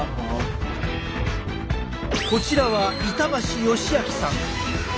こちらは板橋義哲さん。